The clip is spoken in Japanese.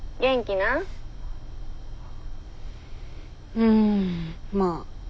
うんまあ。